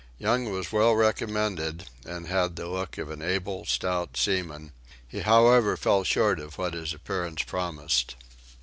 Young was well recommended and had the look of an able stout seaman: he however fell short of what his appearance promised.